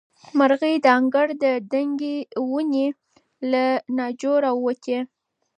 مرغۍ د انګړ له دنګې ناجو ونې څخه والوتې.